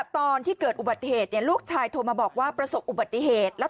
โรดเจ้าเจ้าเจ้าเจ้าเจ้าเจ้าเจ้าเจ้าเจ้าเจ้าเจ้าเจ้าเจ้าเจ้าเจ้าเจ้าเจ้า